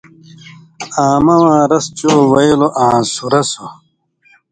امہ واں رس چو وېلوۡ آں سُرسوۡ،